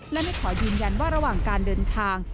และไม่ขอยืนยันว่าระหว่างการเดินทาง